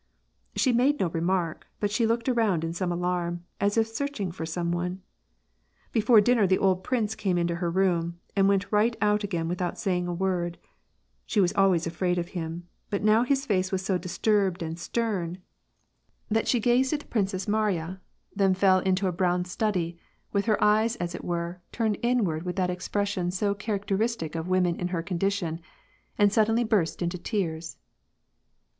She made no remark, but she looked around in some alarm, as if searching for some one. Before dinner the old prince came into her room and went right oat again without saying a word ; she was always afraid of hijn, but now his face was so disturbed and stern that she gazed at I WAR AND PEACE. 35 the Princess Mariya, then fell into a brown study, with her ejes as it were, turned inward with that expression so charac teristic of women in her condition, and suddenly burst into tears.